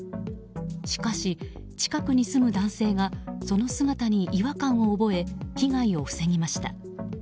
しかし、近くに住む男性がその姿に違和感を覚え被害を防ぎました。